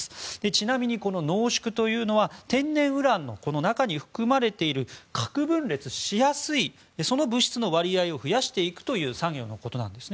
ちなみに、濃縮というのは天然ウランの中に含まれている核分裂しやすい物質の割合を増やしていく作業のことです。